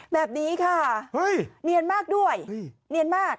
แบบนี้ค่ะเฮ้ยเนียนมากด้วยเนียนมาก